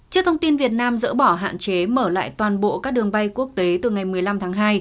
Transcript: trước thông tin việt nam dỡ bỏ hạn chế mở lại toàn bộ các đường bay quốc tế từ ngày một mươi năm tháng hai